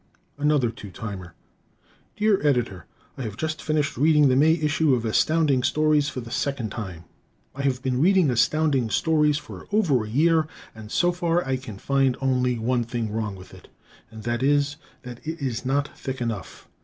Another "Two Timer" Dear Editor: I have just finished reading the May issue of Astounding Stories for the second time. I have been reading Astounding Stories for over a year, and so far I can find only one thing wrong with it, and that is that it is not thick enough.